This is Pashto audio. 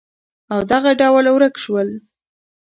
او دغه ډول ورک شول